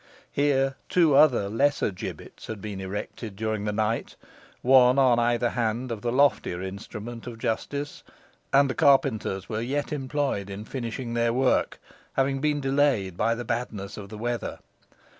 Here two other lesser gibbets had been erected during the night, one on either hand of the loftier instrument of justice, and the carpenters were yet employed in finishing their work, having been delayed by the badness of the weather.